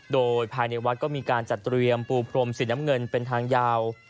โดยภายในวัดก็มีการจัดเตรียมปูพรมสีน้ำเงินเป็นทางยาว